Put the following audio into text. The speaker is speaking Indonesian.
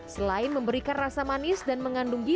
selain memberikan rasa manis dan mengandung berat